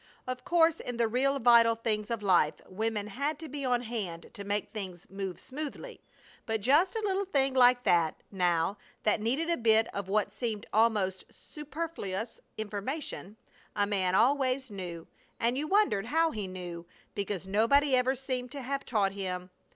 Of course in the real vital things of life women had to be on hand to make things move smoothly, but just a little thing like that, now, that needed a bit of what seemed almost superfluous information, a man always knew; and you wondered how he knew, because nobody ever seemed to have taught him!